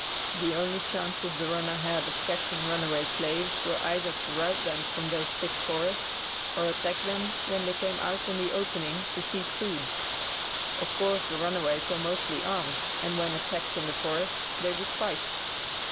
The only chances the hunters had of catching runaway slaves were either to rout them from those thick forests or attack them when they came out in the opening to seek food. Of course the runaways were mostly armed, and when attacked in the forests they would fight.